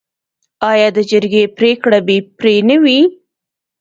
آیا د جرګې پریکړه بې پرې نه وي؟